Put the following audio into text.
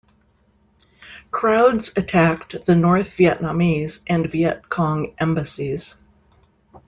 Crowds attacked the North Vietnamese and Viet Cong embassies.